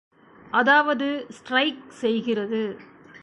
அதாவது ஸ்டிரைக் செய்கிறது.